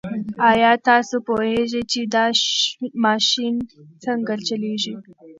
ایا تاسو پوهېږئ چې دا ماشین څنګه چلیږي؟